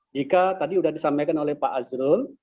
jika tadi sudah disampaikan oleh pak azrul